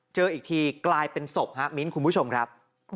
เจออีกทีกลายเป็นศพฮะมิ้นคุณผู้ชมครับ